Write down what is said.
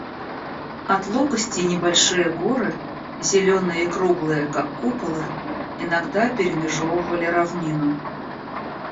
Отлогости и небольшие горы, зеленые и круглые, как куполы, иногда перемежевывали равнину.